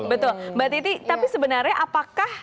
betul mbak titi tapi sebenarnya apakah